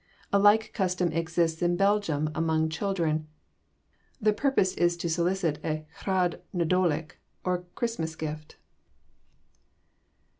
A like custom exists in Belgium, among children. The purpose is to solicit a Rhodd Nadolig, or Christmas gift.